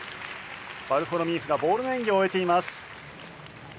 ヴァルフォロミーフがボールの演技を終えています。